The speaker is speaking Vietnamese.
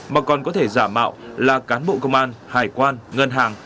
mà còn có thể giả mạo là cán bộ công an hải quan ngân hàng